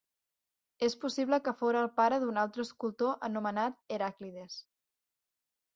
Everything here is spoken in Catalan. És possible que fora el pare d'un altre escultor anomenat Heràclides.